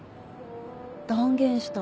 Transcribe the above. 断言した。